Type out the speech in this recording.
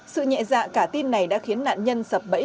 sự nhẹ dạ cả tin này đã khiến nạn nhân sập bẫy